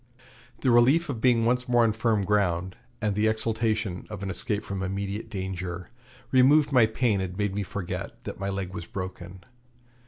The relief of being once more on firm ground, and the exultation of an escape from immediate danger, removed my pain and made me forget that my leg was broken.